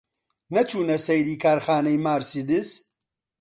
نەچوونە سەیری کارخانەی مارسیدس؟